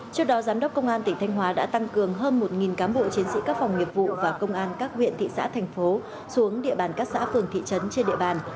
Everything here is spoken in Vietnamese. trước đó giám đốc công an tỉnh thanh hóa đã tăng cường hơn một cán bộ chiến sĩ các phòng nghiệp vụ và công an các huyện thị xã thành phố xuống địa bàn các xã phường thị trấn trên địa bàn